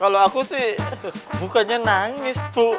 kalau aku sih bukannya nangis bu